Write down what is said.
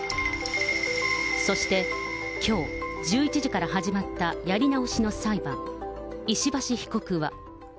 そして、きょう１１時から始まったやり直しの裁判、石橋被告は。